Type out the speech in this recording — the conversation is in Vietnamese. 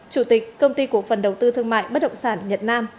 chủ tịch công ty cổ phần đầu tư thương mại bất động sản nhật nam